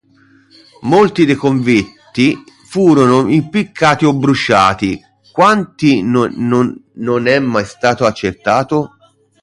Molti dei convitti furono impiccati o bruciati: quanti non è mai stato accertato.